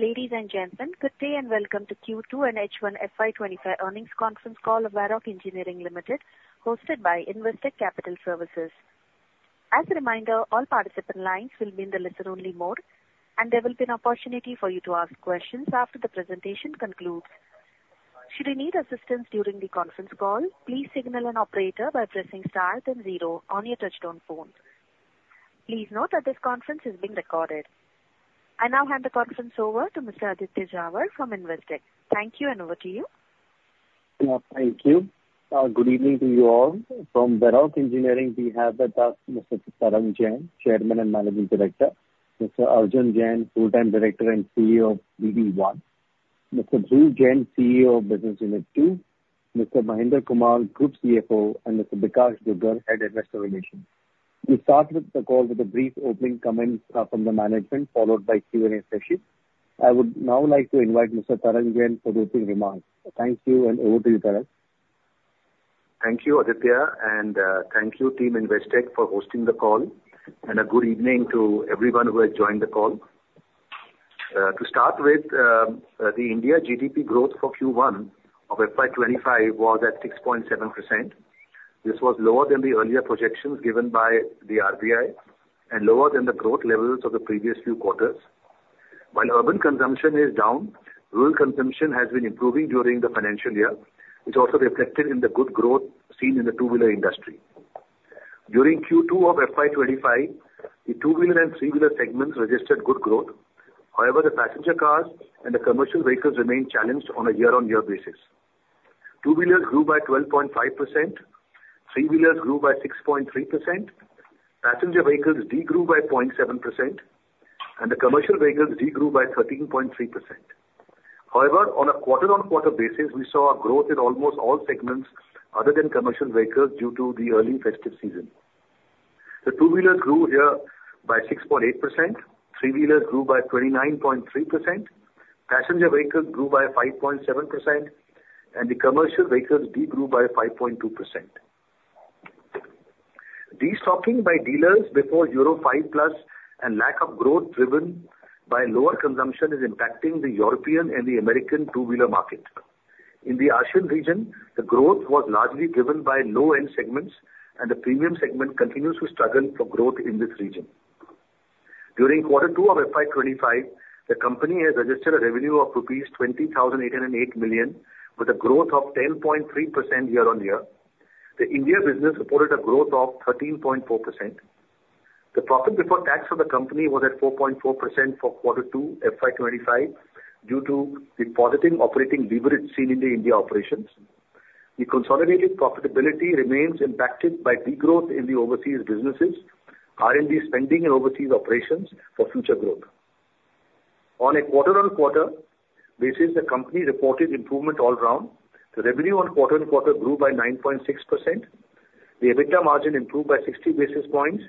Ladies and gentlemen, good day and welcome to Q2 and H1 FY25 earnings conference call of Varroc Engineering Limited, hosted by Investec Capital Services. As a reminder, all participant lines will be in the listen-only mode, and there will be an opportunity for you to ask questions after the presentation concludes. Should you need assistance during the conference call, please signal an operator by pressing star then zero on your touch-tone phone. Please note that this conference is being recorded. I now hand the conference over to Mr. Aditya Jhawar from Investec. Thank you, and over to you. Yeah, thank you. Good evening to you all. From Varroc Engineering, we have with us Mr. Tarang Jain, Chairman and Managing Director, Mr. Arjun Jain, Full-Time Director and CEO of BD-I, Mr. Dhruv Jain, CEO of Business Unit 2, Mr. Mahendra Kumar, Group CFO, and Mr. Bikash Dugar, Head Investor Relations. We started the call with a brief opening comment from the management, followed by Q&A session. I would now like to invite Mr. Tarang Jain for the opening remarks. Thank you, and over to you, Tarang. Thank you, Aditya, and thank you, Team Investec, for hosting the call, and a good evening to everyone who has joined the call. To start with, the India GDP growth for Q1 of FY25 was at 6.7%. This was lower than the earlier projections given by the RBI and lower than the growth levels of the previous few quarters. While urban consumption is down, rural consumption has been improving during the financial year. It's also reflected in the good growth seen in the two-wheeler industry. During Q2 of FY25, the two-wheeler and three-wheeler segments registered good growth. However, the passenger cars and the commercial vehicles remained challenged on a year-on-year basis. Two-wheelers grew by 12.5%, three-wheelers grew by 6.3%, passenger vehicles degrew by 0.7%, and the commercial vehicles degrew by 13.3%. However, on a quarter-on-quarter basis, we saw growth in almost all segments other than commercial vehicles due to the early festive season. The two-wheelers grew here by 6.8%, three-wheelers grew by 29.3%, passenger vehicles grew by 5.7%, and the commercial vehicles degrew by 5.2%. De-stocking by dealers before Euro 5+ and lack of growth driven by lower consumption is impacting the European and the American two-wheeler market. In the Asian region, the growth was largely driven by low-end segments, and the premium segment continues to struggle for growth in this region. During Q2 of FY25, the company has registered a revenue of rupees 20,808 million, with a growth of 10.3% year-on-year. The India business reported a growth of 13.4%. The profit before tax for the company was at 4.4% for Q2 FY25 due to the positive operating leverage seen in the India operations. The consolidated profitability remains impacted by degrowth in the overseas businesses, R&D spending, and overseas operations for future growth. On a quarter-on-quarter basis, the company reported improvement all round. The revenue on quarter-on-quarter grew by 9.6%, the EBITDA margin improved by 60 basis points,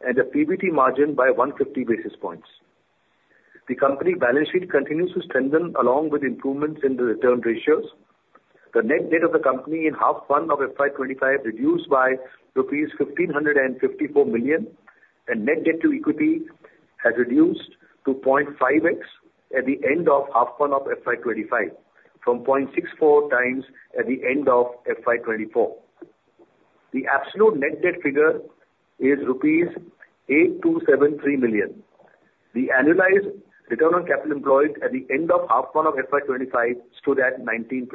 and the PBT margin by 150 basis points. The company balance sheet continues to strengthen along with improvements in the return ratios. The net debt of the company in first half of FY25 reduced by rupees 1,554 million, and net debt to equity has reduced to 0.5x at the end of first half of FY25 from 0.64x at the end of FY24. The absolute net debt figure is rupees 8,273 million. The annualized return on capital employed at the end of first half of FY25 stood at 19%.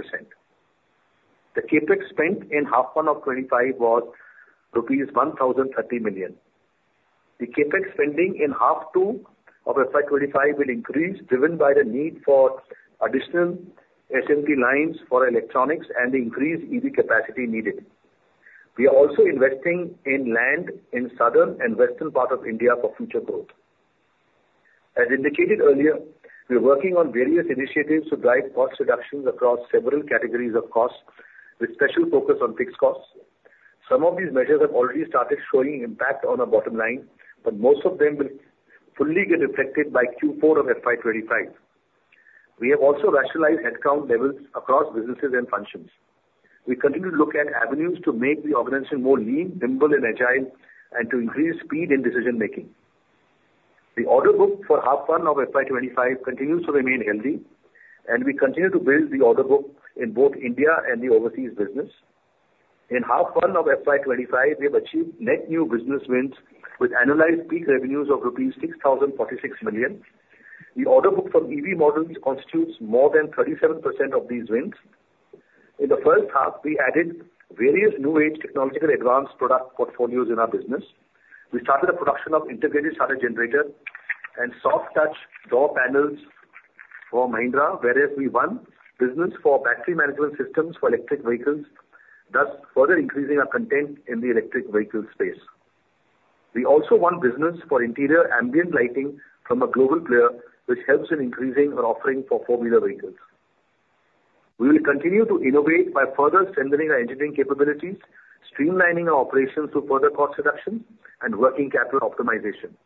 The CAPEX spent in first half of '25 was rupees 1,030 million. The CapEx spending in first half of FY25 will increase, driven by the need for additional SMT lines for electronics and the increased EV capacity needed. We are also investing in land in southern and western parts of India for future growth. As indicated earlier, we are working on various initiatives to drive cost reductions across several categories of costs, with special focus on fixed costs. Some of these measures have already started showing impact on our bottom line, but most of them will fully get reflected by Q4 of FY25. We have also rationalized headcount levels across businesses and functions. We continue to look at avenues to make the organization more lean, nimble, and agile, and to increase speed in decision-making. The order book for first half of FY25 continues to remain healthy, and we continue to build the order book in both India and the overseas business. the first half of FY25, we have achieved net new business wins with annualized peak revenues of rupees 6,046 million. The order book from EV models constitutes more than 37% of these wins. In the first half, we added various new age technological advanced product portfolios in our business. We started the production of integrated starter generators and soft-touch door panels for Mahindra, whereas we won business for battery management systems for electric vehicles, thus further increasing our content in the electric vehicle space. We also won business for interior ambient lighting from a global player, which helps in increasing our offering for four-wheeler vehicles. We will continue to innovate by further strengthening our engineering capabilities, streamlining our operations to further cost reductions, and working capital optimization.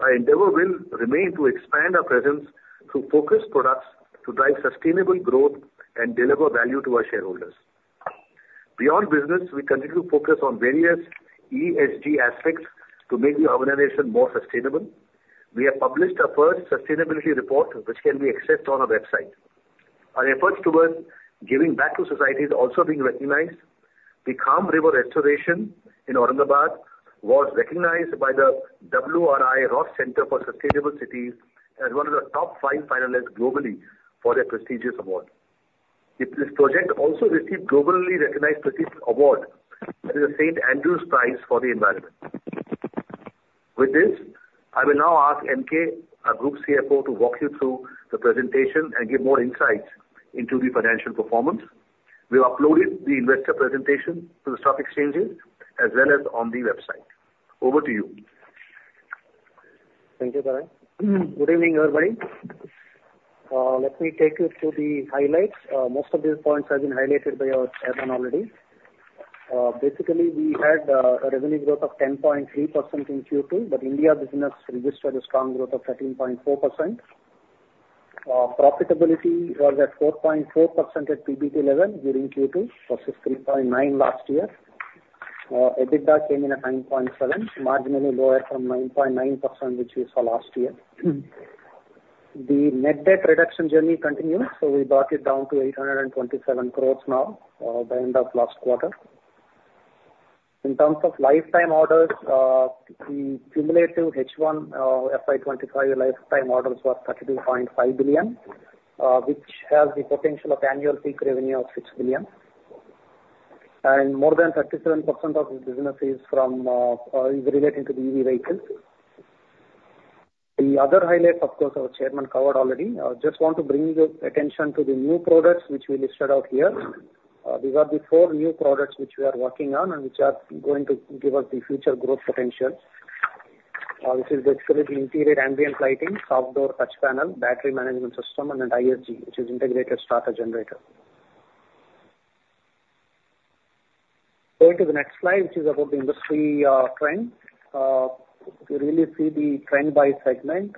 Our endeavor will remain to expand our presence through focused products to drive sustainable growth and deliver value to our shareholders. Beyond business, we continue to focus on various ESG aspects to make the organization more sustainable. We have published our first sustainability report, which can be accessed on our website. Our efforts towards giving back to society are also being recognized. The Kham River Restoration in Aurangabad was recognized by the WRI Ross Center for Sustainable Cities as one of the top five finalists globally for their prestigious award. This project also received a globally recognized prestigious award, the St. Andrews Prize for the Environment. With this, I will now ask MK, our Group CFO, to walk you through the presentation and give more insights into the financial performance. We have uploaded the investor presentation to the stock exchanges as well as on the website. Over to you. Thank you, Tarang. Good evening, everybody. Let me take you to the highlights. Most of these points have been highlighted by your chairman already. Basically, we had a revenue growth of 10.3% in Q2, but India business registered a strong growth of 13.4%. Profitability was at 4.4% at PBT level during Q2, versus 3.9% last year. EBITDA came in at 9.7%, marginally lower from 9.9%, which we saw last year. The net debt reduction journey continued, so we brought it down to 827 crores now by the end of last quarter. In terms of lifetime orders, the cumulative H1 FY25 lifetime orders were 32.5 billion, which has the potential of annual peak revenue of 6 billion. And more than 37% of the business is related to the EV vehicles. The other highlights, of course, our chairman covered already. I just want to bring your attention to the new products which we listed out here. These are the four new products which we are working on and which are going to give us the future growth potential. This is basically the interior ambient lighting, soft-touch door panel, battery management system, and an ISG, which is integrated starter generator. Going to the next slide, which is about the industry trend. You really see the trend by segment.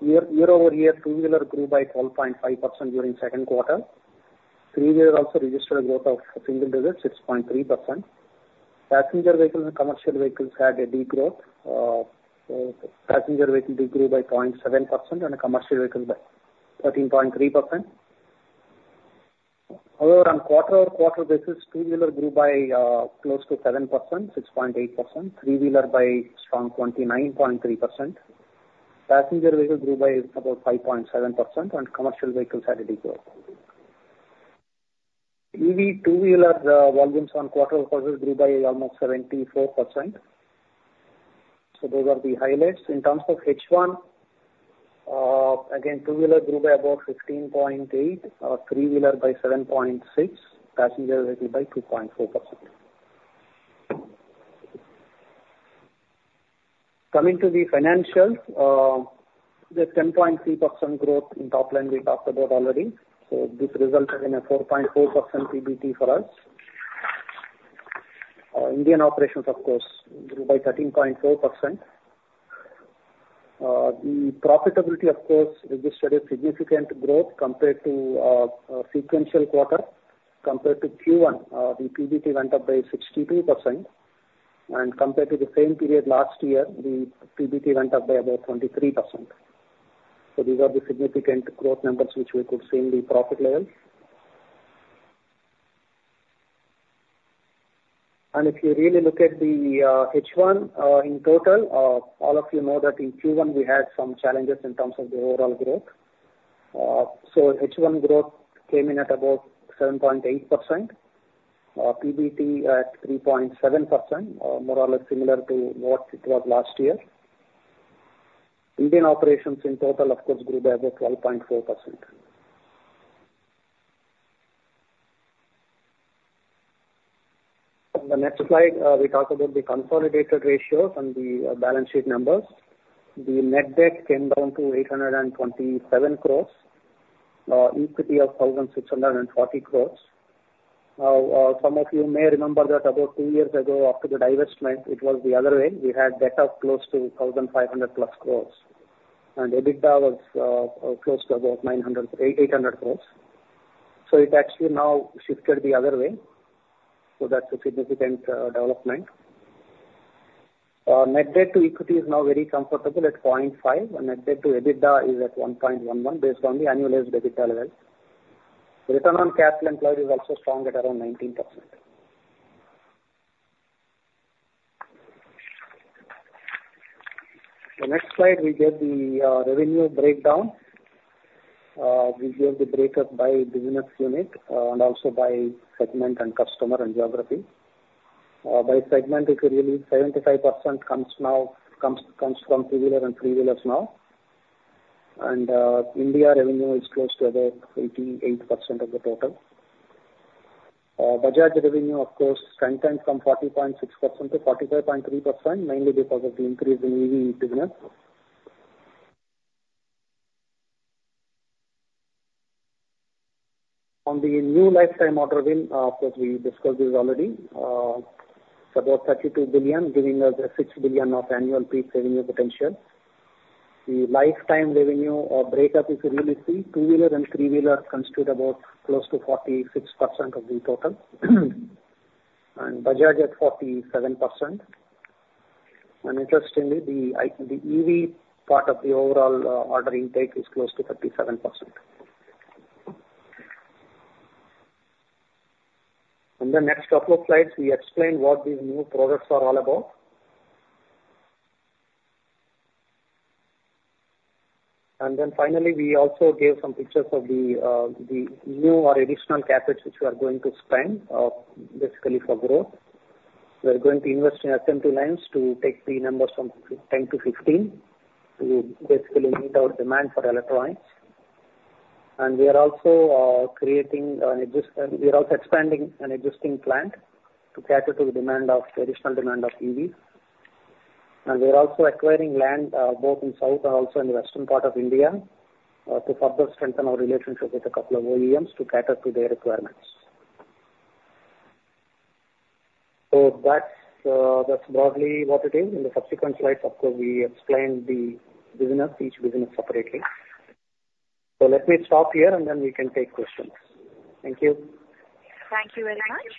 Year-over-year, two-wheelers grew by 12.5% during second quarter. Three-wheelers also registered a growth of single digits, 6.3%. Passenger vehicles and commercial vehicles had a degrowth. Passenger vehicles degrew by 0.7% and commercial vehicles by 13.3%. However, on quarter-on-quarter basis, two-wheelers grew by close to 7%, 6.8%. Three-wheelers by strong 29.3%. Passenger vehicles grew by about 5.7%, and commercial vehicles had a degrowth. EV two-wheeler volumes on quarter-on-quarter grew by almost 74%. So those are the highlights. In terms of H1, again, two-wheelers grew by about 15.8%, three-wheelers by 7.6%, passenger vehicles by 2.4%. Coming to the financials, there's 10.3% growth in top line we talked about already. So this resulted in a 4.4% PBT for us. Indian operations, of course, grew by 13.4%. The profitability, of course, registered a significant growth compared to sequential quarter. Compared to Q1, the PBT went up by 62%. And compared to the same period last year, the PBT went up by about 23%. So these are the significant growth numbers which we could see in the profit levels. And if you really look at the H1 in total, all of you know that in Q1 we had some challenges in terms of the overall growth. H1 growth came in at about 7.8%, PBT at 3.7%, more or less similar to what it was last year. Indian operations in total, of course, grew by about 12.4%. On the next slide, we talked about the consolidated ratios and the balance sheet numbers. The net debt came down to 827 crores, equity of 1,640 crores. Some of you may remember that about two years ago, after the divestment, it was the other way. We had debt of close to 1,500 plus crores, and EBITDA was close to about 800 crores. It actually now shifted the other way. That's a significant development. Net debt to equity is now very comfortable at 0.5, and net debt to EBITDA is at 1.11 based on the annualized EBITDA level. Return on capital employed is also strong at around 19%. The next slide, we get the revenue breakdown. We give the breakup by business unit and also by segment and customer and geography. By segment, if you really look, 75% comes from two-wheelers and three-wheelers now, and India revenue is close to about 88% of the total. Bajaj revenue, of course, strengthened from 40.6% to 45.3%, mainly because of the increase in EV business. On the new lifetime order win, of course, we discussed this already. It's about 32 billion, giving us a 6 billion of annual peak revenue potential. The lifetime revenue breakup, if you really see, two-wheeler and three-wheeler constitute about close to 46% of the total, and Bajaj at 47%, and interestingly, the EV part of the overall order intake is close to 37%. On the next couple of slides, we explain what these new products are all about. Then finally, we also gave some pictures of the new or additional CapEx which we are going to spend, basically for growth. We are going to invest in SMT lines to take the numbers from 10 to 15 to basically meet our demand for electronics. We are also expanding an existing plant to cater to the additional demand of EVs. We are also acquiring land both in South India and also in West India to further strengthen our relationship with a couple of OEMs to cater to their requirements. That's broadly what it is. In the subsequent slides, of course, we explain the business, each business separately. Let me stop here, and then we can take questions. Thank you. Thank you very much.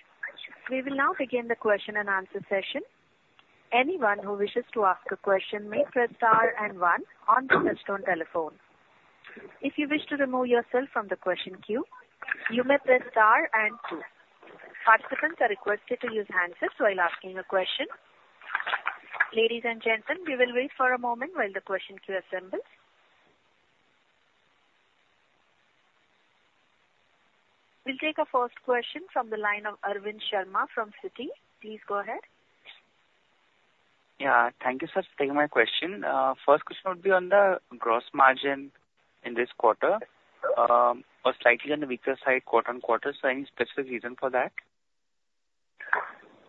We will now begin the question and answer session. Anyone who wishes to ask a question may press star and one on the touch-tone telephone. If you wish to remove yourself from the question queue, you may press star and two. Participants are requested to use handsets while asking a question. Ladies and gentlemen, we will wait for a moment while the question queue assembles. We'll take a first question from the line of Arvind Sharma from Citi. Please go ahead. Yeah, thank you, sir. Taking my question. First question would be on the gross margin in this quarter, or slightly on the weaker side quarter on quarter. So, any specific reason for that?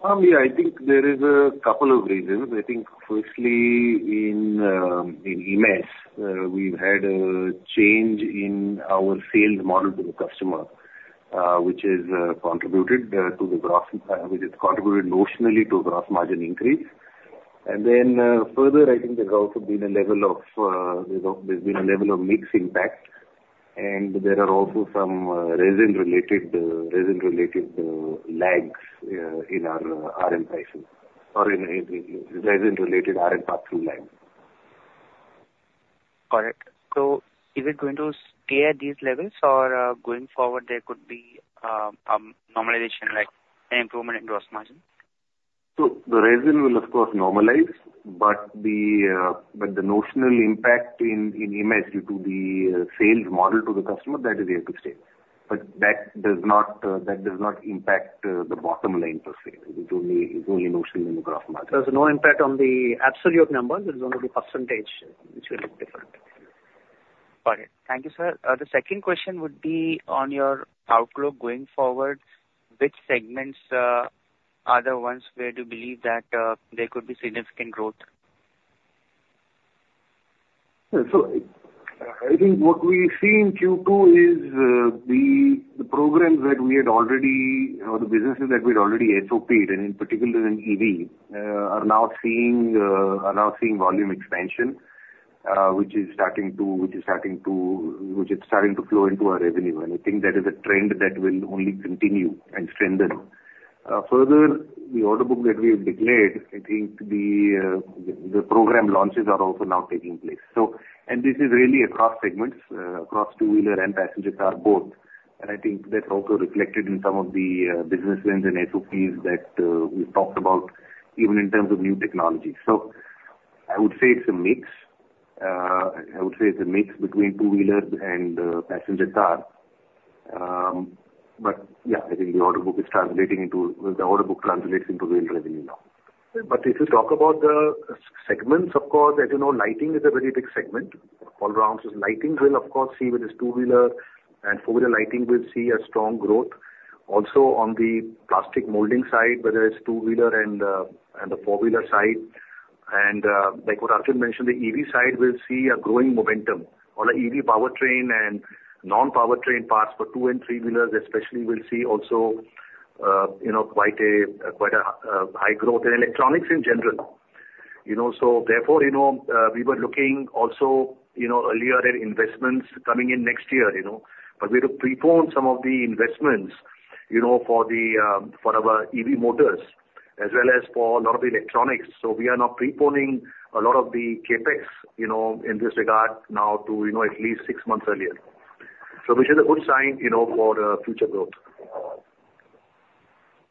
Yeah, I think there is a couple of reasons. I think firstly in EVs, we've had a change in our sales model to the customer, which has contributed to the gross—which has contributed notionally to gross margin increase. And then further, I think there's also been a level of mixed impact. And there are also some resin-related lags in our RM pricing or in resin-related RM parts and lags. Got it. So is it going to stay at these levels, or going forward, there could be a normalization, like an improvement in gross margin? So the resin will, of course, normalize, but the notional impact in RMI due to the sales model to the customer, that is here to stay. But that does not impact the bottom line per se. It's only notional in the gross margin. There's no impact on the absolute number. There's only the percentage which will look different. Got it. Thank you, sir. The second question would be on your outlook going forward. Which segments are the ones where you believe that there could be significant growth? So I think what we see in Q2 is the programs that we had already, or the businesses that we had already SOPed, and in particular in EV, are now seeing volume expansion, which is starting to, which is starting to flow into our revenue. And I think that is a trend that will only continue and strengthen. Further, the order book that we have declared, I think the program launches are also now taking place. And this is really across segments, across two-wheeler and passenger car both. And I think that's also reflected in some of the businesses and SOPs that we've talked about, even in terms of new technology. So I would say it's a mix. I would say it's a mix between two-wheelers and passenger car. But yeah, I think the order book is translating into, the order book translates into real revenue now. But if you talk about the segments, of course, as you know, lighting is a very big segment. All around, lighting will, of course, see with this two-wheeler, and four-wheeler lighting will see a strong growth. Also on the plastic molding side, whether it's two-wheeler and the four-wheeler side. And like what Arjun mentioned, the EV side will see a growing momentum. All the EV powertrain and non-powertrain parts for two and three-wheelers, especially, will see also quite a high growth in electronics in general. So therefore, we were looking also earlier at investments coming in next year. But we had to prepone some of the investments for our EV motors as well as for a lot of the electronics. So we are now preponing a lot of the CAPEX in this regard now to at least six months earlier. So which is a good sign for future growth.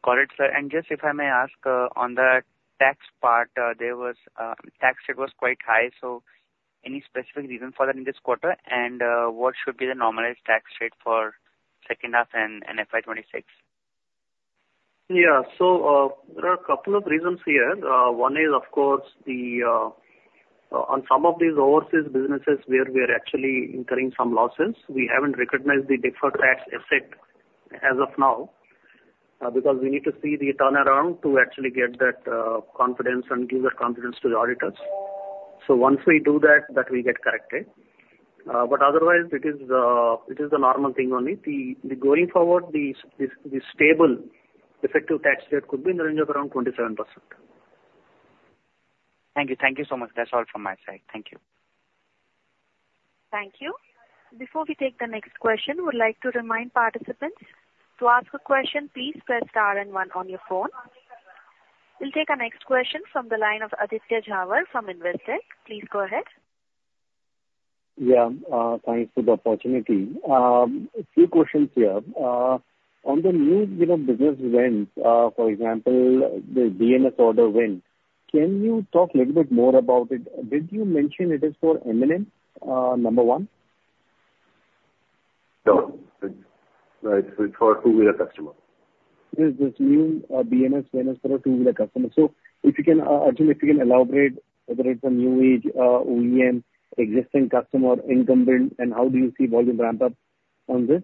Got it, sir. And just if I may ask on the tax part, the tax rate was quite high. So any specific reason for that in this quarter? And what should be the normalized tax rate for second half and FY26? Yeah. So there are a couple of reasons here. One is, of course, on some of these overseas businesses where we are actually incurring some losses, we haven't recognized the deferred tax asset as of now because we need to see the turnaround to actually get that confidence and give that confidence to the auditors. So once we do that, that will get corrected. But otherwise, it is the normal thing only. Going forward, the stable effective tax rate could be in the range of around 27%. Thank you. Thank you so much. That's all from my side. Thank you. Thank you. Before we take the next question, we'd like to remind participants to ask a question. Please press star and one on your phone. We'll take our next question from the line of Aditya Jhawar from Investec. Please go ahead. Yeah. Thanks for the opportunity. A few questions here. On the new business wins, for example, the BMS order win, can you talk a little bit more about it? Did you mention it is for M&M number one? No. It's for two-wheeler customers. This new BMS win is for a two-wheeler customer. So if you can, Arjun, if you can elaborate whether it's a new OEM, existing customer, incumbent, and how do you see volume ramp up on this?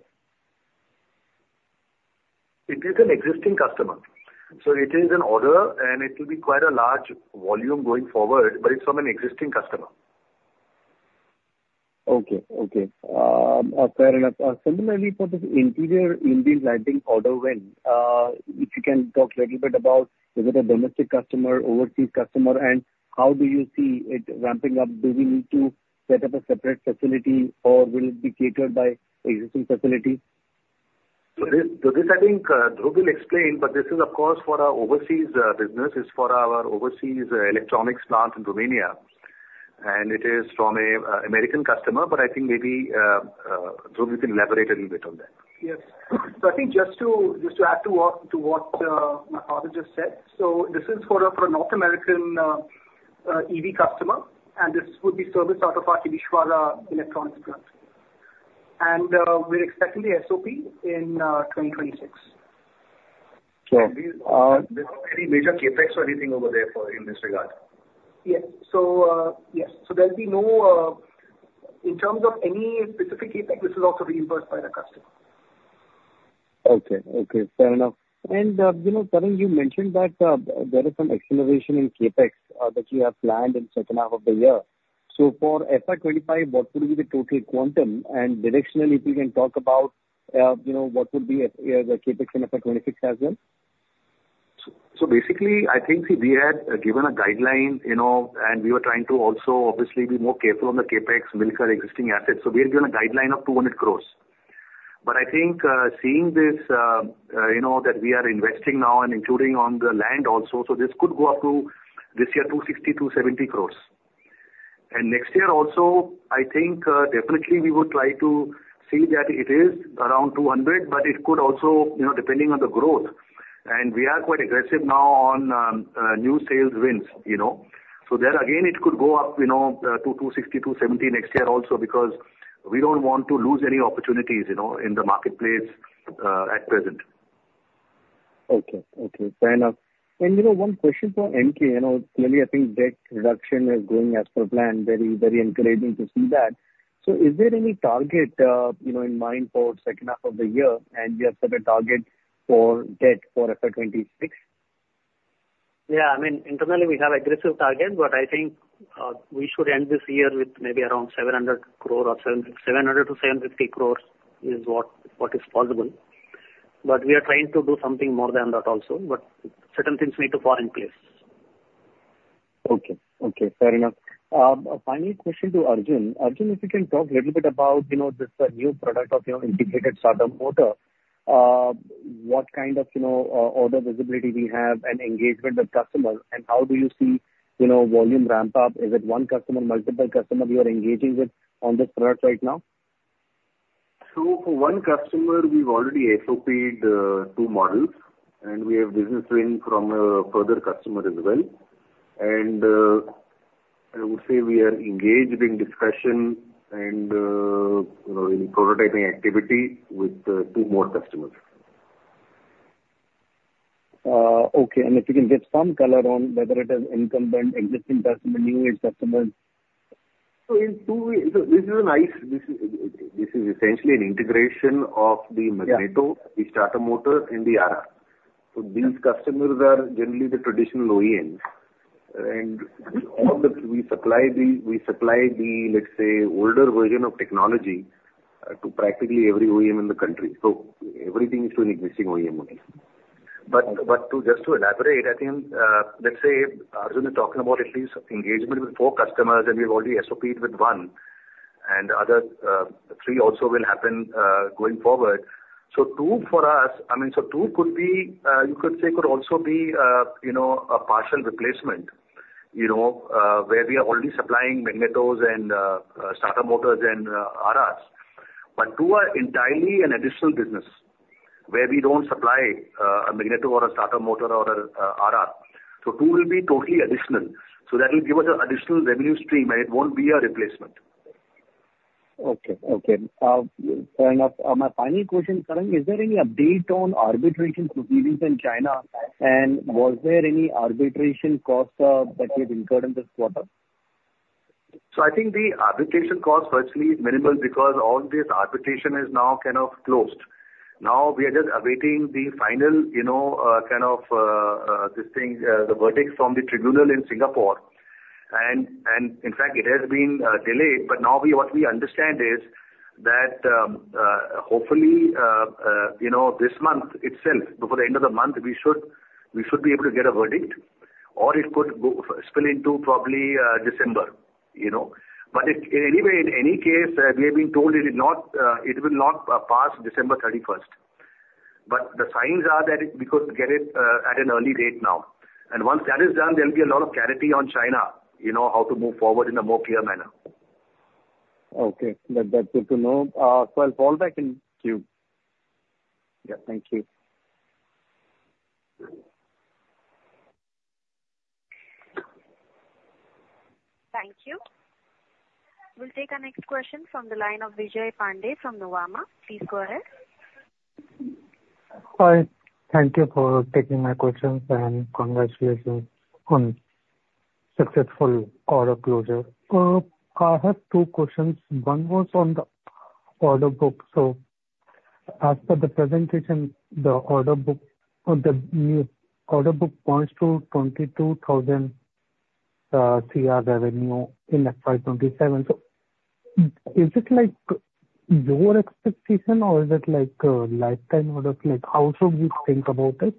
It is an existing customer. So it is an order, and it will be quite a large volume going forward, but it's from an existing customer. Okay. Okay. Fair enough. Similarly, for this interior ambient lighting order win, if you can talk a little bit about, is it a domestic customer, overseas customer, and how do you see it ramping up? Do we need to set up a separate facility, or will it be catered by existing facility? This, I think, Dhruv will explain, but this is, of course, for our overseas business. It's for our overseas electronics plant in Romania. It is from an American customer, but I think maybe Dhruv, you can elaborate a little bit on that. Yes, so I think just to add to what my colleague just said, so this is for a North American EV customer, and this would be serviced out of our Timisoara electronics plant, and we're expecting the SOP in 2026. Okay. Any major CAPEX or anything over there in this regard? Yes. So there'll be no in terms of any specific CapEx. This is also reimbursed by the customer. Okay. Okay. Fair enough. And Tarang, you mentioned that there is some acceleration in CapEx that you have planned in the second half of the year. So for FY25, what would be the total quantum? And additionally, if you can talk about what would be the CapEx in FY26 as well? So basically, I think we had given a guideline, and we were trying to also, obviously, be more careful on the CapEx, milk our existing assets. So we had given a guideline of 200 crores. But I think seeing this that we are investing now and including on the land also, so this could go up to this year, 260-270 crores. And next year also, I think definitely we will try to see that it is around 200, but it could also, depending on the growth. And we are quite aggressive now on new sales wins. So there, again, it could go up to 260, 270 next year also because we don't want to lose any opportunities in the marketplace at present. Okay. Okay. Fair enough. And one question for MK. Clearly, I think debt reduction is going as per plan. Very, very encouraging to see that. So is there any target in mind for the second half of the year? And you have set a target for debt for FY26? Yeah. I mean, internally, we have aggressive targets, but I think we should end this year with maybe around 700 crores or 700-750 crores is what is possible. But we are trying to do something more than that also. But certain things need to fall in place. Okay. Okay. Fair enough. A final question to Arjun. Arjun, if you can talk a little bit about this new product of your integrated starter motor, what kind of order visibility we have and engagement with customers? And how do you see volume ramp up? Is it one customer, multiple customers you are engaging with on this product right now? So for one customer, we've already SOPed two models, and we have business win from a further customer as well. And I would say we are engaged in discussion and in prototyping activity with two more customers. Okay. And if you can get some color on whether it is incumbent, existing customer, new-age customers? So this is a nice. This is essentially an integration of the magneto, the starter motor, and the armature. So these customers are generally the traditional OEMs. And we supply the, let's say, older version of technology to practically every OEM in the country. So everything is to an existing OEM only. But just to elaborate, I think, let's say Arjun is talking about at least engagement with four customers, and we've already SOPed with one. And the other three also will happen going forward. So two for us, I mean, so two could be. You could say could also be a partial replacement where we are already supplying magnetos and starter motors and armatures. But two are entirely an additional business where we don't supply a magneto or a starter motor or an armature. So two will be totally additional. So that will give us an additional revenue stream, and it won't be a replacement. Okay. Okay. Fair enough. My final question, Tarang, is there any update on arbitration proceedings in China? And was there any arbitration costs that you have incurred in this quarter? So I think the arbitration costs virtually is minimal because all this arbitration is now kind of closed. Now we are just awaiting the final kind of this thing, the verdict from the tribunal in Singapore. And in fact, it has been delayed. But now what we understand is that hopefully this month itself, before the end of the month, we should be able to get a verdict, or it could spill into probably December. But in any case, we have been told it will not pass December 31st. But the signs are that we could get it at an early date now. And once that is done, there'll be a lot of clarity on China, how to move forward in a more clear manner. Okay. That's good to know. So I'll fall back in queue. Yeah. Thank you. Thank you. We'll take our next question from the line of Vijay Pandeyfrom Nuvama. Please go ahead. Hi. Thank you for taking my questions and congratulations on successful order closure. I have two questions. One was on the order book. So as per the presentation, the order book points to 22,000 CR revenue in FY27. So is it like your expectation, or is it like a lifetime order? How should we think about it?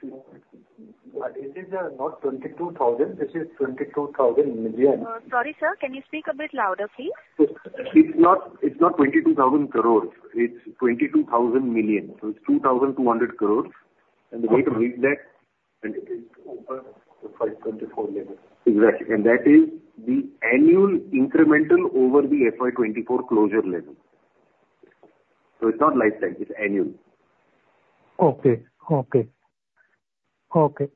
But is it not 22,000? This is 22,000 million. Sorry, sir. Can you speak a bit louder, please? It's not 22,000 crores. It's 22,000 million. So it's 2,200 crores, and the way to read that and it is over the FY24 level. Exactly. And that is the annual incremental over the FY24 closure level. So it's not lifetime. It's annual. Okay. Okay. Okay.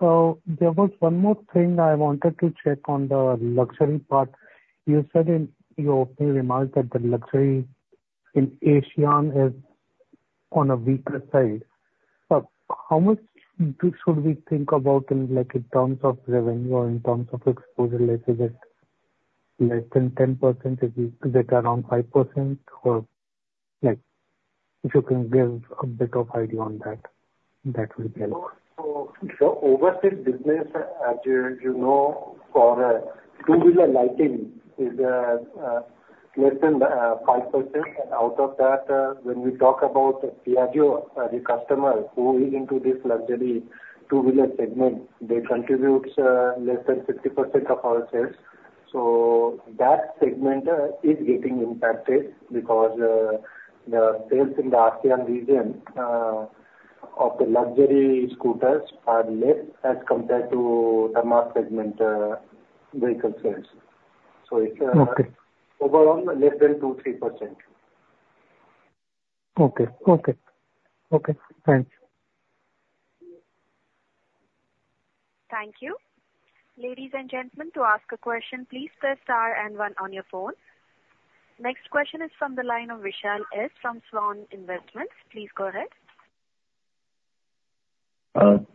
So there was one more thing I wanted to check on the luxury part. You said in your opening remarks that the luxury in ASEAN is on a weaker side. How much should we think about in terms of revenue or in terms of exposure? Is it less than 10%? Is it around 5%? Or if you can give a bit of idea on that, that will be helpful. So overseas business, Arjun, for two-wheeler lighting is less than 5%. And out of that, when we talk about the customer who is into this luxury two-wheeler segment, they contribute less than 50% of our sales. So that segment is getting impacted because the sales in the ASEAN region of the luxury scooters are less as compared to the mass segment vehicle sales. So overall, less than 2-3%. Okay. Thanks. Thank you. Ladies and gentlemen, to ask a question, please press star and one on your phone. Next question is from the line of Vishal S. from Swan Investments. Please go ahead.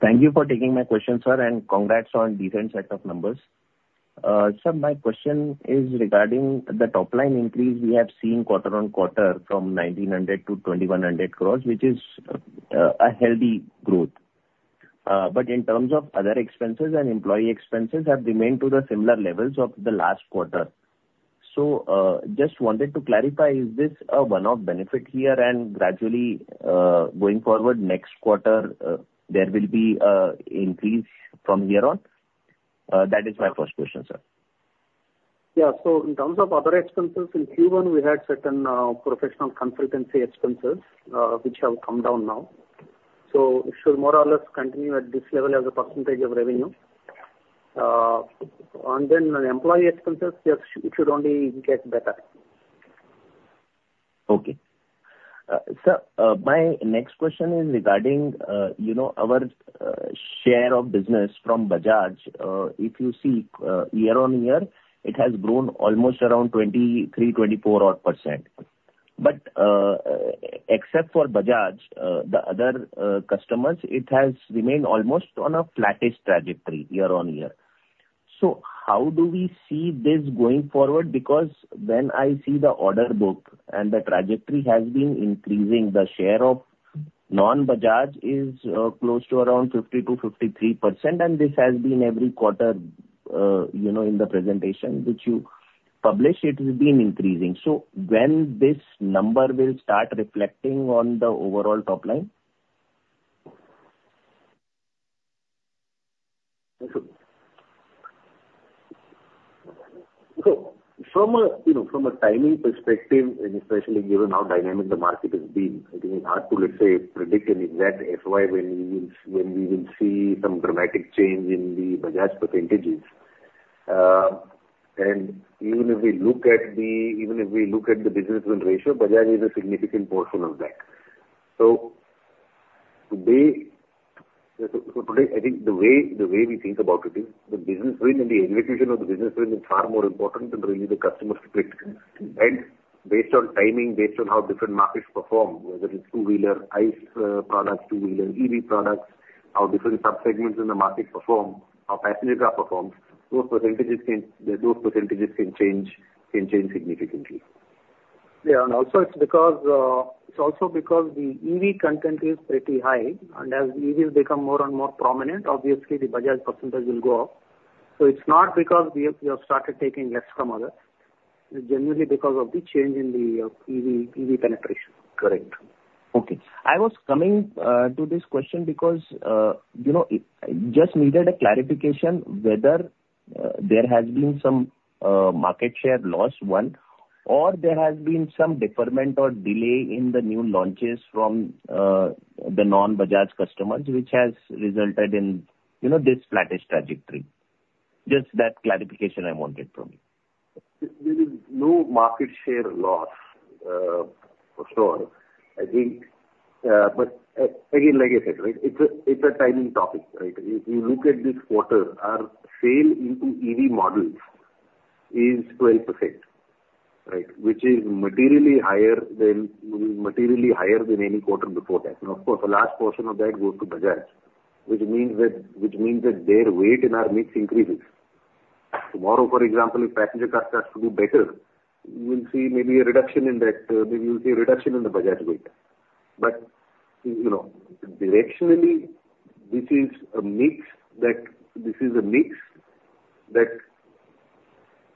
Thank you for taking my question, sir, and congrats on a decent set of numbers. Sir, my question is regarding the top-line increase we have seen quarter on quarter from 1,900 to 2,100 crores, which is a healthy growth. But in terms of other expenses and employee expenses, have remained to the similar levels of the last quarter. So just wanted to clarify, is this a one-off benefit here? And gradually going forward next quarter, there will be an increase from here on? That is my first question, sir. Yeah. So in terms of other expenses, in Q1, we had certain professional consultancy expenses which have come down now. So it should more or less continue at this level as a percentage of revenue. And then employee expenses, it should only get better. Okay. Sir, my next question is regarding our share of business from Bajaj. If you see, year on year, it has grown almost around 23%-24% odd. But except for Bajaj, the other customers, it has remained almost on a flattest trajectory year on year. So how do we see this going forward? Because when I see the order book and the trajectory has been increasing, the share of non-Bajaj is close to around 50%-53%. And this has been every quarter in the presentation which you publish, it has been increasing. So when this number will start reflecting on the overall top line? From a timing perspective, and especially given how dynamic the market has been, I think it's hard to, let's say, predict an exact FY when we will see some dramatic change in the Bajaj percentages. And even if we look at the business win ratio, Bajaj is a significant portion of that. So today, I think the way we think about it is the business win and the execution of the business win is far more important than really the customer's prediction. And based on timing, based on how different markets perform, whether it's two-wheeler, ICE products, two-wheeler, EV products, how different subsegments in the market perform, how passenger car performs, those percentages can change significantly. Yeah. And also it's because the EV content is pretty high. As EVs become more and more prominent, obviously, the Bajaj percentage will go up. It's not because we have started taking less from others. It's genuinely because of the change in the EV penetration. Correct. Okay. I was coming to this question because I just needed a clarification whether there has been some market share loss, one, or there has been some deferment or delay in the new launches from the non-Bajaj customers, which has resulted in this flattest trajectory. Just that clarification I wanted from you. There is no market share loss, for sure. I think, but again, like I said, it's a timing topic, right? If you look at this quarter, our sale into EV models is 12%, right? Which is materially higher than any quarter before that, and of course, the last portion of that goes to Bajaj, which means that their weight in our mix increases. Tomorrow, for example, if passenger cars start to do better, we will see maybe a reduction in that. Maybe we'll see a reduction in the Bajaj weight, but directionally, this is a mix that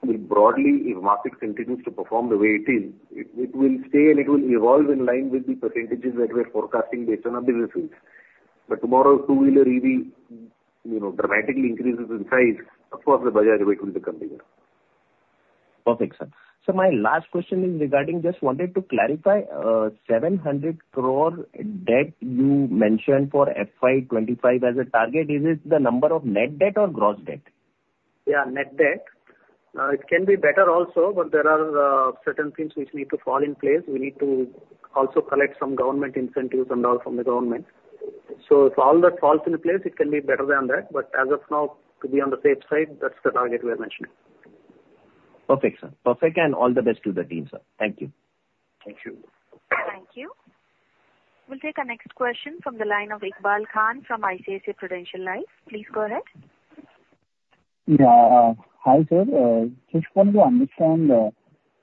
will broadly, if market continues to perform the way it is, it will stay and it will evolve in line with the percentages that we are forecasting based on our business wins. But tomorrow, two-wheeler EV dramatically increases in size, of course, the Bajaj weight will be continued. Perfect sense. Sir, my last question is regarding just wanted to clarify 700 crore debt you mentioned for FY25 as a target, is it the number of net debt or gross debt? Yeah, net debt. It can be better also, but there are certain things which need to fall in place. We need to also collect some government incentives and all from the government. So if all that falls in place, it can be better than that. But as of now, to be on the safe side, that's the target we are mentioning. Perfect, sir. Perfect, and all the best to the team, sir. Thank you. Thank you. Thank you. We'll take our next question from the line of Iqbal Khan from ICICI Prudential Life Insurance. Please go ahead. Yeah. Hi, sir. Just wanted to understand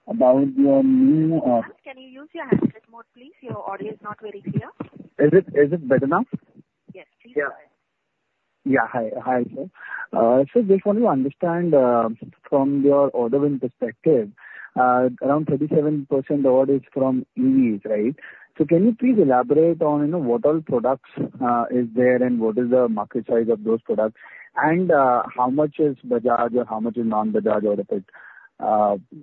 about your new. Can you use your hands a bit more, please? Your audio is not very clear. Is it better now? Yes. Please go ahead. Yeah. Hi, sir. Sir, just wanted to understand from your order win perspective, around 37% of it is from EVs, right? So can you please elaborate on what all products are there and what is the market size of those products? And how much is Bajaj or how much is non-Bajaj or if it?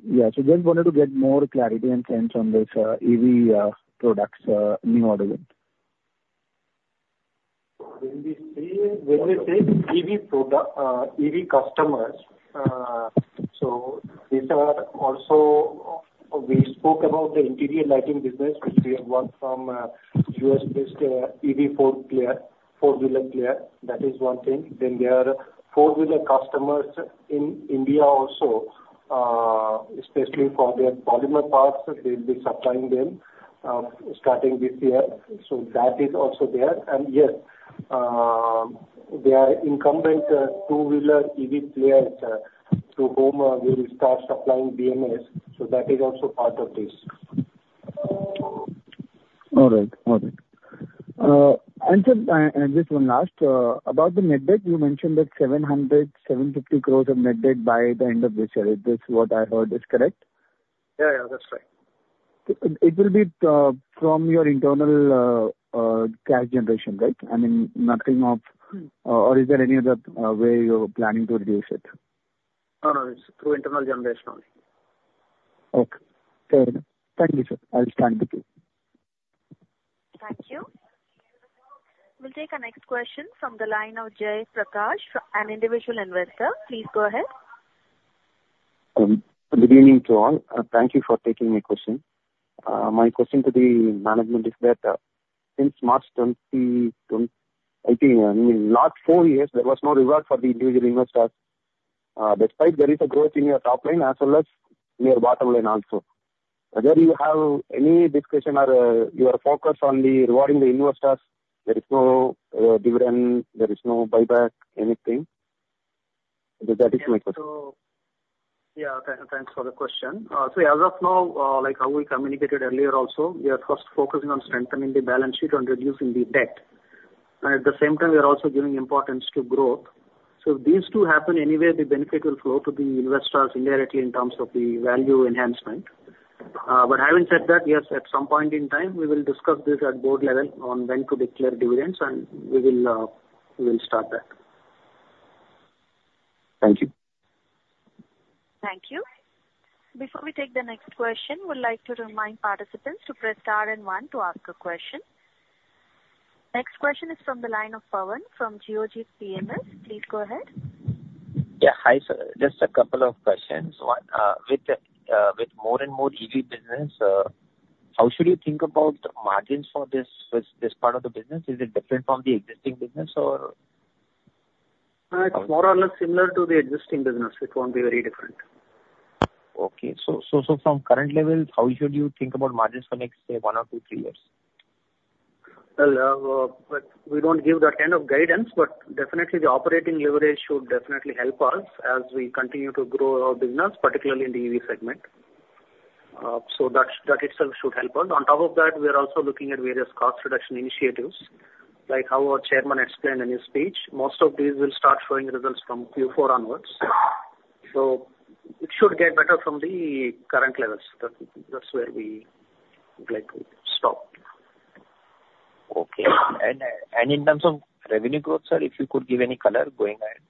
Yeah. So just wanted to get more clarity and sense on this EV products, new order win. When we say EV customers, so these are also we spoke about the interior lighting business, which we have got from US-based EV four-wheeler player. That is one thing. Then there are four-wheeler customers in India also, especially for their polymer parts. They'll be supplying them starting this year. So that is also there. And yes, there are incumbent two-wheeler EV players to whom we will start supplying BMS. So that is also part of this. All right. All right. And just one last about the net debt, you mentioned that 700-750 crores of net debt by the end of this year. Is this what I heard is correct? Yeah. Yeah. That's right. It will be from your internal cash generation, right? I mean, nothing off or is there any other way you're planning to reduce it? No, no. It's through internal generation only. Okay. Fair enough. Thank you, sir. I'll stand with you. Thank you. We'll take our next question from the line of Jay Prakash, an individual investor. Please go ahead. Good evening to all. Thank you for taking my question. My question to the management is that since March 2018, I mean, last four years, there was no reward for the individual investors. Despite there is a growth in your top line as well as near bottom line also. Whether you have any discussion or you are focused on rewarding the investors, there is no dividend, there is no buyback, anything. That is my question. Okay. So yeah. Thanks for the question. So as of now, like how we communicated earlier also, we are first focusing on strengthening the balance sheet and reducing the debt. And at the same time, we are also giving importance to growth. So if these two happen anyway, the benefit will flow to the investors indirectly in terms of the value enhancement. But having said that, yes, at some point in time, we will discuss this at board level on when to declare dividends, and we will start that. Thank you. Thank you. Before we take the next question, we'd like to remind participants to press star and one to ask a question. Next question is from the line of Pawan from Geojit. Please go ahead. Yeah. Hi, sir. Just a couple of questions. With more and more EV business, how should you think about margins for this part of the business? Is it different from the existing business or? It's more or less similar to the existing business. It won't be very different. Okay. So from current level, how should you think about margins for next, say, one or two, three years? We don't give that kind of guidance, but definitely the operating leverage should definitely help us as we continue to grow our business, particularly in the EV segment. So that itself should help us. On top of that, we are also looking at various cost reduction initiatives. Like how our chairman explained in his speech, most of these will start showing results from Q4 onwards. So it should get better from the current levels. That's where we stop. Okay, and in terms of revenue growth, sir, if you could give any color going ahead?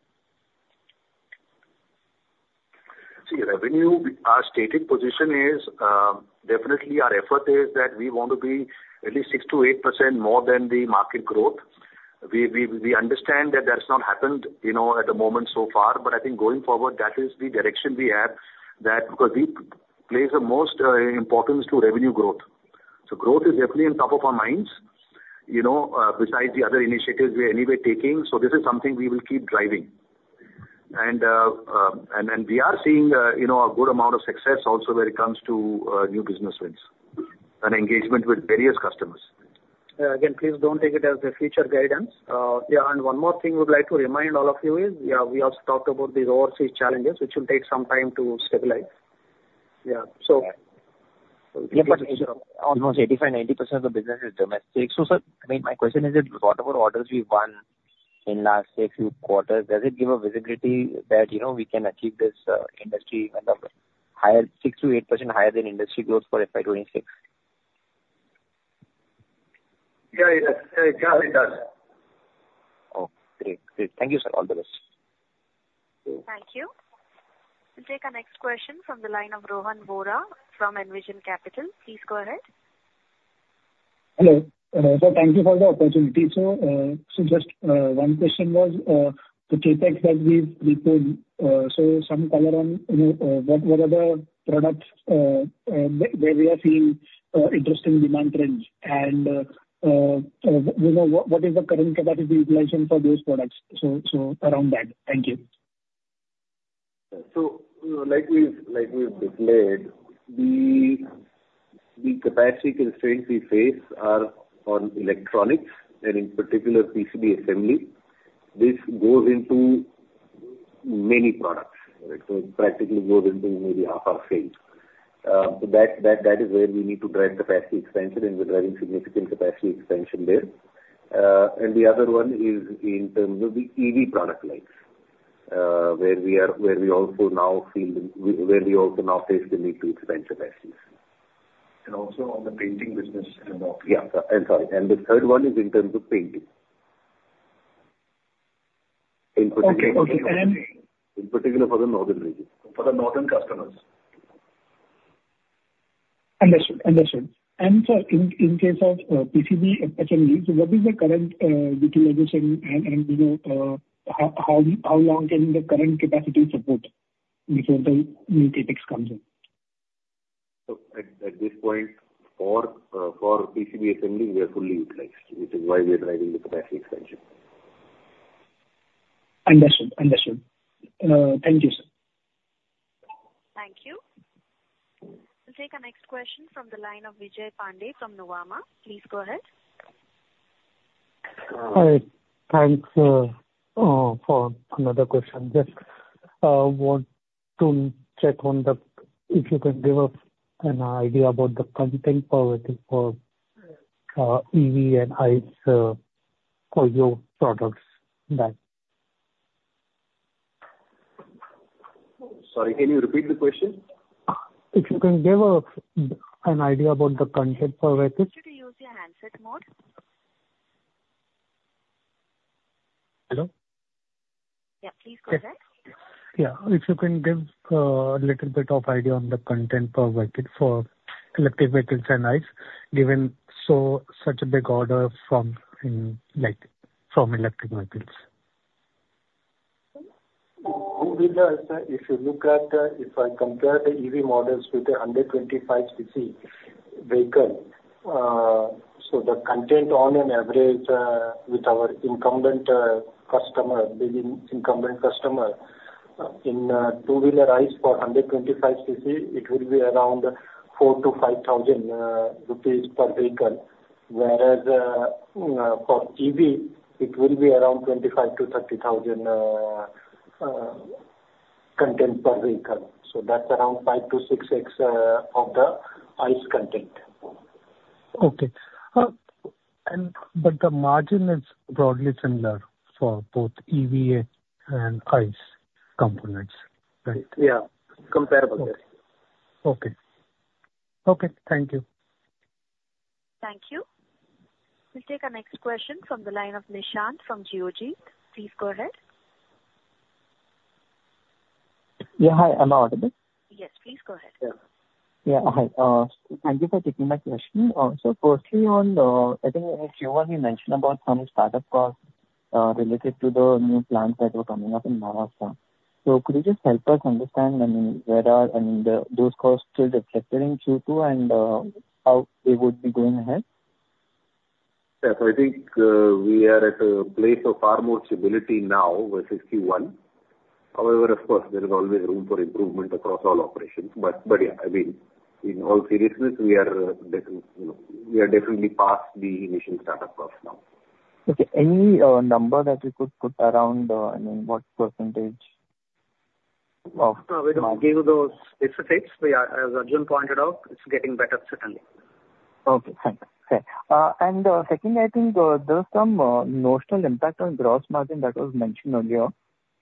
See, revenue. Our stated position is definitely our effort is that we want to be at least 6%-8% more than the market growth. We understand that that's not happened at the moment so far. But I think going forward, that is the direction we have that because we place the most importance to revenue growth. So growth is definitely on top of our minds. Besides the other initiatives we are anyway taking, so this is something we will keep driving. And then we are seeing a good amount of success also when it comes to new business wins and engagement with various customers. Again, please don't take it as the future guidance. Yeah. And one more thing we'd like to remind all of you is, yeah, we also talked about these overseas challenges, which will take some time to stabilize. Yeah. So. Yeah. But almost 85%-90% of the business is domestic. So sir, I mean, my question is that whatever orders we've won in last few quarters, does it give a visibility that we can achieve this industry higher, 6%-8% higher than industry growth for FY26? Yeah. Yes. It does. It does. Oh, great. Great. Thank you, sir. All the best. Thank you. We'll take our next question from the line of Rohan Vora from Envision Capital. Please go ahead. Hello. Thank you for the opportunity. Just one question was the CAPEX that we've put, so some color on what are the products where we are seeing interesting demand trends and what is the current capacity utilization for those products, so around that. Thank you. So like we've displayed, the capacity constraints we face are on electronics and in particular PCB assembly. This goes into many products, right? So that is where we need to drive capacity expansion, and we're driving significant capacity expansion there. And the other one is in terms of the EV product lines where we also now face the need to expand capacities. And also on the painting business and all. Yeah. And sorry. And the third one is in terms of painting. Okay. And then. In particular for the northern region. For the northern customers. Understood. Understood. And sir, in case of PCB assembly, so what is the current utilization and how long can the current capacity support before the new CAPEX comes in? At this point, for PCB assembly, we are fully utilized, which is why we are driving the capacity expansion. Understood. Understood. Thank you, sir. Thank you. We'll take our next question from the line of Vinay Pandey from Nuvama. Please go ahead. Hi. Thanks for another question. Just want to check on the if you can give us an idea about the content for EV and ICE for your products that. Sorry. Can you repeat the question? If you can give us an idea about the content for? To use your hands a bit more. Hello? Yeah. Please go ahead. Yeah. If you can give a little bit of idea on the content for electric vehicles and ICE given such a big order from electric vehicles. If you look at if I compare the EV models with the 125cc vehicle, so the content on an average with our incumbent customer in two-wheeler ICE for 125cc, it will be around 4,000-5,000 rupees per vehicle. Whereas for EV, it will be around 25,000-30,000 content per vehicle. So that's around 5 to 6x of the ICE content. Okay. But the margin is broadly similar for both EV and ICE components, right? Yeah. Comparable. Okay. Okay. Thank you. Thank you. We'll take our next question from the line of Nishant from Geojit. Please go ahead. Yeah. Hi. Am I audible? Yes. Please go ahead. Yeah. Hi. Thank you for taking my question. So firstly, I think you already mentioned about some startup costs related to the new plants that were coming up in Maharashtra. So could you just help us understand, I mean, where are I mean, those costs still reflected in Q2 and how they would be going ahead? Yes. I think we are at a place of far more stability now versus Q1. However, of course, there is always room for improvement across all operations. But yeah, I mean, in all seriousness, we are definitely past the initial startup cost now. Okay. Any number that you could put around, I mean, what percentage of? If it's a fix, as Arjun pointed out, it's getting better, certainly. Okay. Thanks. And secondly, I think there's some notional impact on gross margin that was mentioned earlier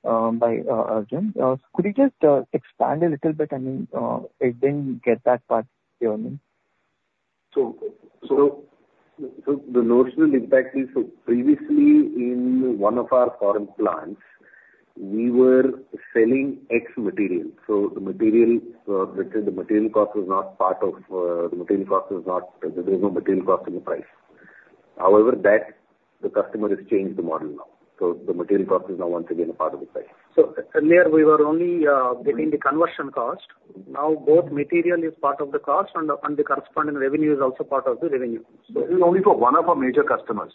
by Arjun. Could you just expand a little bit? I mean, I didn't get that part clearly. So the notional impact is, previously in one of our foreign plants, we were selling X material. So the material cost was not part of the price. There was no material cost in the price. However, the customer has changed the model now. So the material cost is now once again a part of the price. So earlier, we were only getting the conversion cost. Now, both material is part of the cost, and the corresponding revenue is also part of the revenue. So it's only for one of our major customers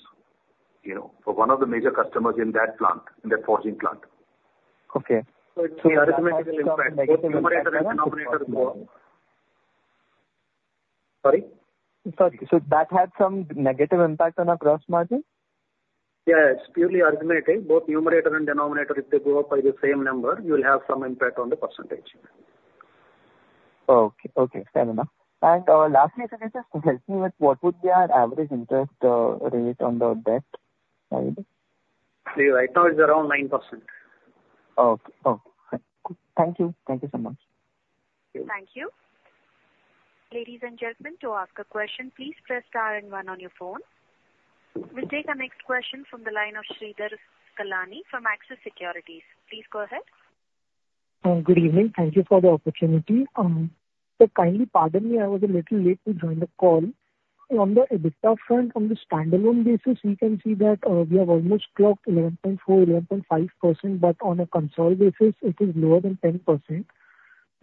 in that plant, in that forging plant. Okay. So the arithmetical impact, both numerator and denominator. Sorry? Sorry. So that had some negative impact on our gross margin? Yeah. It's purely arithmetic. Both numerator and denominator, if they go up by the same number, you'll have some impact on the percentage. Okay. Okay. Fair enough. And lastly, if you can just help me with what would be our average interest rate on the debt side? See, right now it's around 9%. Okay. Okay. Thank you. Thank you so much. Thank you. Ladies and gentlemen, to ask a question, please press star and one on your phone. We'll take our next question from the line of Shridhar Kallani from Axis Securities. Please go ahead. Good evening. Thank you for the opportunity. So kindly pardon me, I was a little late to join the call. On the EBITDA front, on the standalone basis, we can see that we have almost clocked 11.4-11.5%, but on a consolidated basis, it is lower than 10%.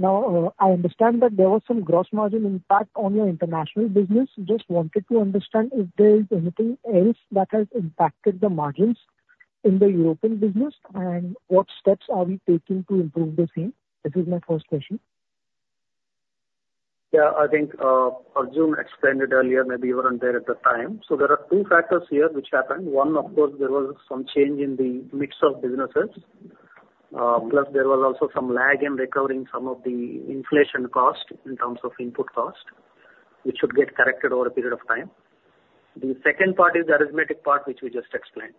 Now, I understand that there was some gross margin impact on your international business. Just wanted to understand if there is anything else that has impacted the margins in the European business, and what steps are we taking to improve the same. This is my first question. Yeah. I think Arjun explained it earlier. Maybe you weren't there at the time. So there are two factors here which happened. One, of course, there was some change in the mix of businesses. Plus, there was also some lag in recovering some of the inflation cost in terms of input cost, which should get corrected over a period of time. The second part is the arithmetic part, which we just explained.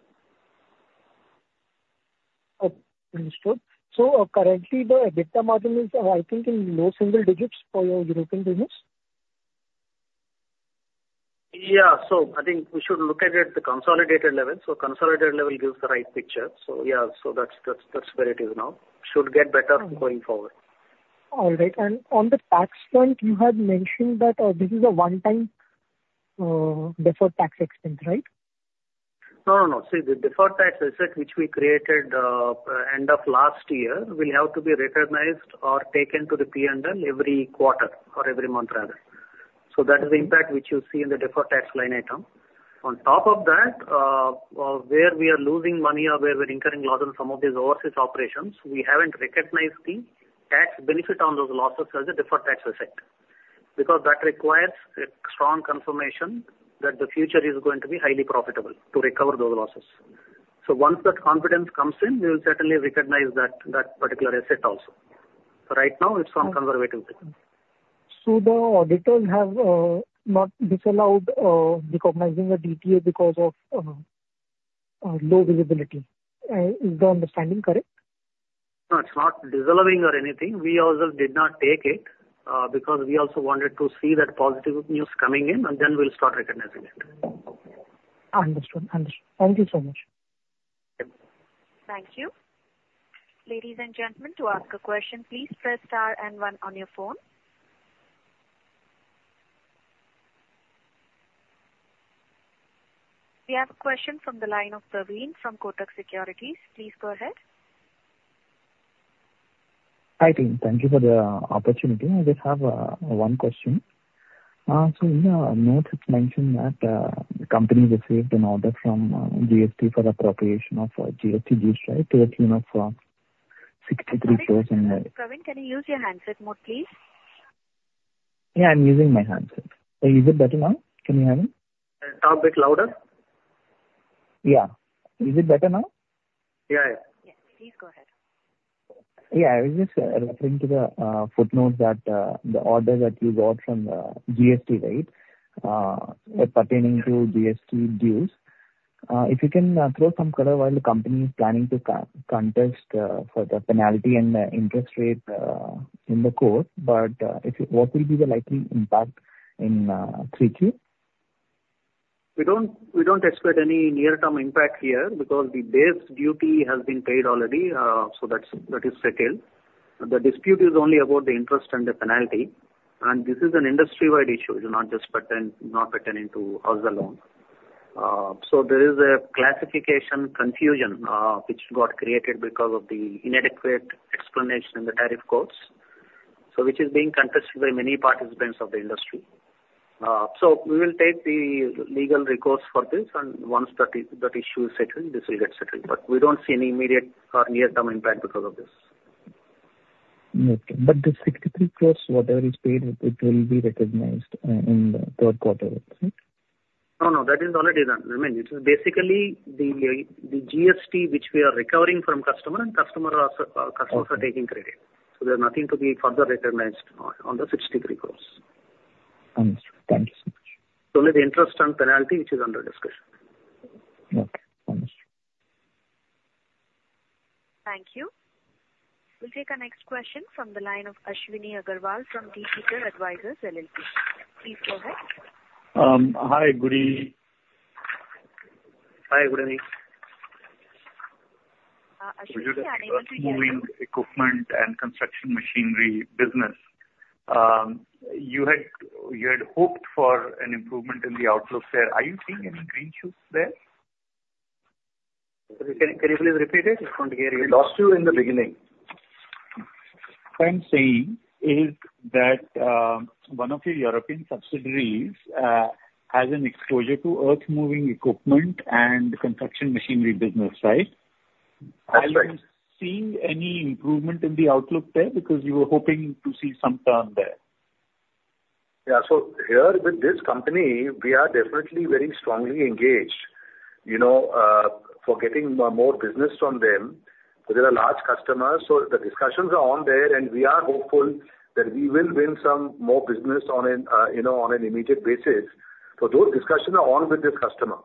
Understood. So currently, the EBITDA margin is, I think, in low single digits for your European business. Yeah. So I think we should look at it at the consolidated level. So consolidated level gives the right picture. So yeah, so that's where it is now. Should get better going forward. All right. And on the tax front, you had mentioned that this is a one-time deferred tax expense, right? No, no, no. See, the deferred tax asset, which we created end of last year, will have to be recognized or taken to the P&L every quarter or every month, rather. So that is the impact which you see in the deferred tax line item. On top of that, where we are losing money or where we're incurring loss in some of these overseas operations, we haven't recognized the tax benefit on those losses as a deferred tax asset because that requires a strong confirmation that the future is going to be highly profitable to recover those losses. So once that confidence comes in, we will certainly recognize that particular asset also. So right now, it's on conservative basis. So the auditors have not disallowed recognizing the DTA because of low visibility. Is the understanding correct? No, it's not disallowing or anything. We also did not take it because we also wanted to see that positive news coming in, and then we'll start recognizing it. Understood. Understood. Thank you so much. Thank you. Thank you. Ladies and gentlemen, to ask a question, please press star and one on your phone. We have a question from the line of Praveen from Kotak Securities. Please go ahead. Hi, Team. Thank you for the opportunity. I just have one question. So in your notes, it mentioned that the company received an order from GST for appropriation of GST duty rate to a tune of 63 cores. Praveen, can you use your handset mode, please? Yeah. I'm using my handset. Is it better now? Can you hear me? Sound a bit louder? Yeah. Is it better now? Yeah. Yeah. Yes. Please go ahead. Yeah. I was just referring to the footnotes that the order that you got from GST rate pertaining to GST dues. If you can throw some color while the company is planning to contest for the penalty and the interest rate in the court, but what will be the likely impact in 3Q? We don't expect any near-term impact here because the base duty has been paid already, so that is settled. The dispute is only about the interest and the penalty. And this is an industry-wide issue, not just pertaining to us alone. So there is a classification confusion which got created because of the inadequate explanation in the tariff codes, which is being contested by many participants of the industry. So we will take the legal recourse for this, and once that issue is settled, this will get settled. But we don't see any immediate or near-term impact because of this. Okay, but the 63%, whatever is paid, it will be recognized in the third quarter, right? No, no. That is already done. I mean, it is basically the GST, which we are recovering from customer, and customers are taking credit. So there's nothing to be further recognized on the 63%. Understood. Thank you so much. Only the interest and penalty, which is under discussion. Okay. Understood. Thank you. We'll take our next question from the line of Ashwini Agarwal from Demeter Advisors LLP. Please go ahead. Hi. Good evening. Hi. Good evening. Ashwini, unable to hear you. Mining equipment and construction machinery business. You had hoped for an improvement in the outlook there. Are you seeing any green shoots there? Can you please repeat it? I want to hear you. We lost you in the beginning. What I'm saying is that one of your European subsidiaries has an exposure to earth-moving equipment and construction machinery business, right? Absolutely. Are you seeing any improvement in the outlook there? Because you were hoping to see some turn there. Yeah. So here with this company, we are definitely very strongly engaged for getting more business from them. So they're a large customer. So the discussions are on there, and we are hopeful that we will win some more business on an immediate basis. So those discussions are on with this customer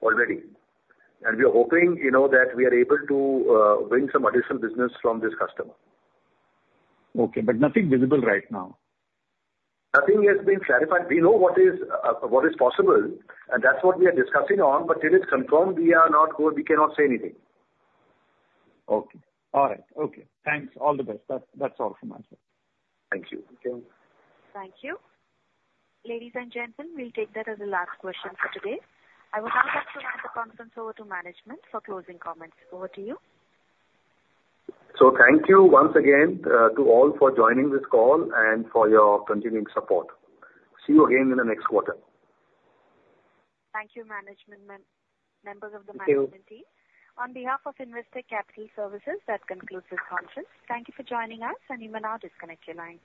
already. And we are hoping that we are able to win some additional business from this customer. Okay. But nothing visible right now? Nothing has been clarified. We know what is possible, and that's what we are discussing on but till it's confirmed, we cannot say anything. Okay. All right. Thanks. All the best. That's all from my side. Thank you. Thank you. Ladies and gentlemen, we'll take that as a last question for today. I will now pass around the conference over to management for closing comments. Over to you. So thank you once again to all for joining this call and for your continuing support. See you again in the next quarter. Thank you, management members, of the management team. On behalf of Investec Capital Services, that concludes this conference. Thank you for joining us, and you may now disconnect your line.